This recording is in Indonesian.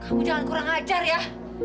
kamu jangan kurang ajar ya